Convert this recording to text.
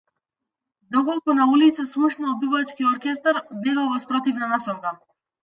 Доколку на улица слушнел дувачки оркестар, бегал во спротивна насока.